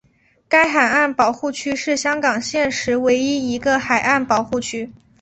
该海岸保护区是香港现时唯一一个海岸保护区。